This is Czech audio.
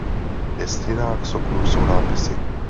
Ve stěnách soklu jsou nápisy.